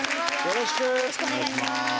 よろしくお願いします。